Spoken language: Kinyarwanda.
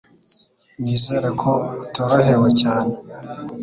Nizere ko utorohewe cyane